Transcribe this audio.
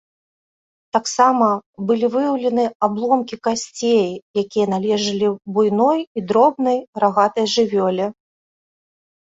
Таксама былі выяўленыя абломкі касцей, якія належалі буйной і дробнай рагатай жывёле.